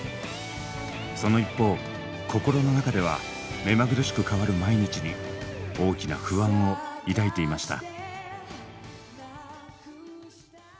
その一方心の中では目まぐるしく変わる毎日に大きな不安を抱いていました。